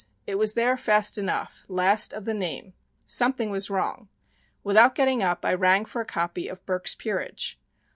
It was there fast enough "last of the name." Something was wrong. Without getting up I rang for a copy of "Burke's Peerage."